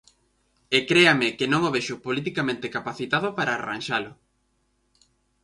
E créame que non o vexo politicamente capacitado para arranxalo.